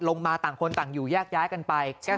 ต่างคนต่างอยู่แยกย้ายกันไป